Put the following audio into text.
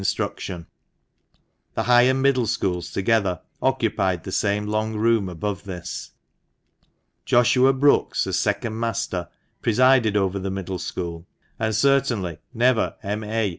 instruction. The high and middle schools together occupied the same long room above this. Joshua Brookes, as second master, presided over the middle school, and surely never M.A.